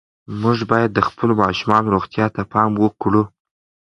موږ باید د خپلو ماشومانو روغتیا ته پام وکړو.